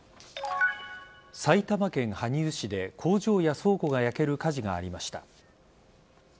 埼玉県羽生市で工場や倉庫が焼ける火事がありました。